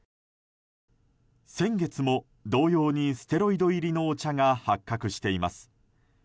先月も同様にステロイド入りのお茶が発覚しています。